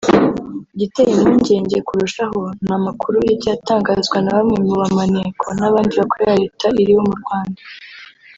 Igiteye impungenge kurushaho ni amakuru yagiye atangazwa na bamwe mu bamaneko n’abandi bakorera Leta iriho mu Rwanda